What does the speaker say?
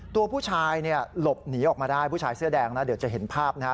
ตัวผู้ชายเนี่ยหลบหนีออกมาได้ผู้ชายเสื้อแดงนะเดี๋ยวจะเห็นภาพนะฮะ